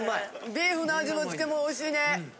ビーフの味付けもおいしいね。